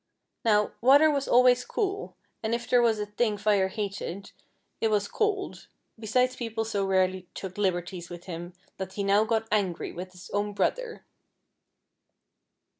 Now, Water was always cool, and if there was a thing Fire hated. lo6 . FIRE AND WATER. it was cold, besides people so rarely took liberties with liim that he now got angry with his own brother.